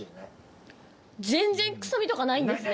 全然臭みとかないんですね。